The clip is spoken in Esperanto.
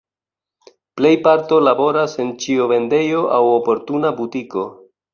Plejparto laboras en ĉiovendejo aŭ oportuna butiko.